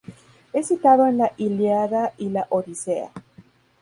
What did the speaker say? Es citada en la "Ilíada" y la "Odisea".